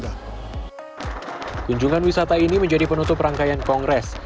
kunjungan wisata ini menjadi penutup rangkaian kongres